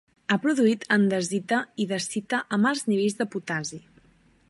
Ha produït andesita i dacita amb alts nivells de potassi.